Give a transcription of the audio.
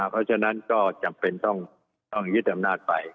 เพราะฉะนั้นก็จำเป็นต้องยึดอำนาจไป